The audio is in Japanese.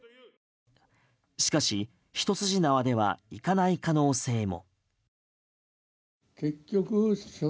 しかし一筋縄ではいかない可能性も。